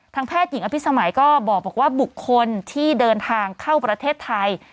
แพทย์หญิงอภิษมัยก็บอกว่าบุคคลที่เดินทางเข้าประเทศไทย